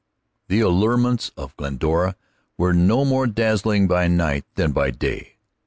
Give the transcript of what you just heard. The allurements of Glendora were no more dazzling by night than by day.